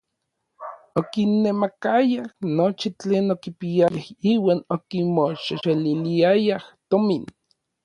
Okinemakayaj nochi tlen okipiayaj iuan okimoxexeliliayaj tomin.